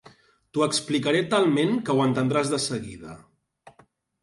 T'ho explicaré talment que ho entendràs de seguida.